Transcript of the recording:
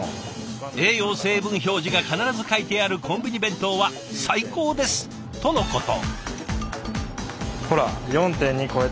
「栄養成分表示が必ず書いてあるコンビニ弁当は最高です！」とのこと。